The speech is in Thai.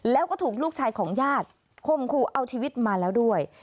แล้วก็ถูกลูกชายของญาติคมคู่เอาชีวิตมาแล้วด้วย